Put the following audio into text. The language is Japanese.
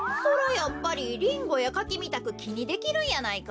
やっぱりリンゴやカキみたくきにできるんやないか？